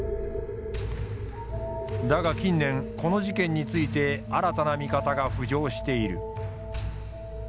だが近年この事件について新たな見方が浮上している。